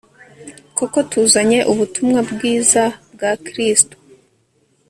koko tuzanye ubutumwa bwiza bwa kristo